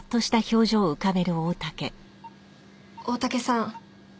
大竹さん。